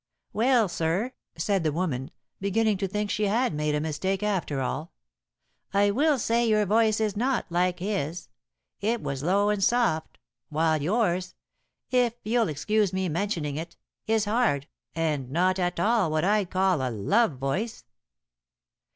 "Well, sir," said the woman, beginning to think she had made a mistake after all, "I will say your voice is not like his. It was low and soft, while yours, if you'll excuse me mentioning it, is hard, and not at all what I'd call a love voice."